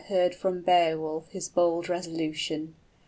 } Heard from Beowulf his bold resolution.